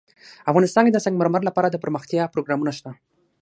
افغانستان کې د سنگ مرمر لپاره دپرمختیا پروګرامونه شته.